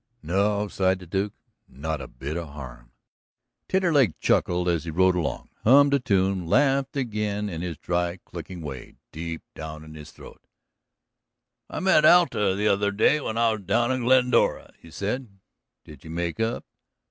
"No," sighed the Duke, "not a bit of harm." Taterleg chuckled as he rode along, hummed a tune, laughed again in his dry, clicking way, deep down in his throat. "I met Alta the other day when I was down in Glendora," he said. "Did you make up?"